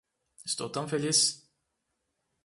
Estou tão feliz